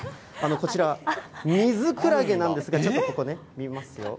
こちら、ミズクラゲなんですが、ちょっとここね、見ますよ。